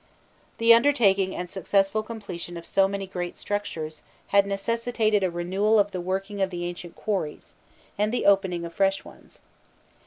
The undertaking and successful completion of so many great structures had necessitated a renewal of the working of the ancient quarries, and the opening of fresh ones.